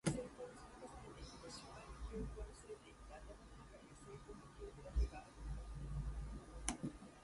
Pinkston was born in Silver Spring, Maryland, the son of Linda and Mark Pinkston.